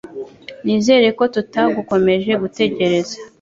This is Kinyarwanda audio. Nizere ko tutagukomeje gutegereza